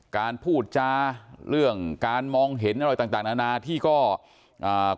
การพูดจาเรื่องการมองเห็นอะไรต่างต่างนานาที่ก็อ่า